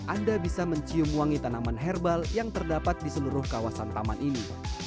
anda bisa mencium wangi tanaman herbal yang terdapat di seluruh kawasan taman ini